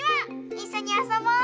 いっしょにあそぼう！